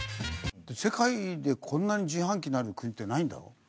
世界でこんなに自販機のある国ってないんだろ？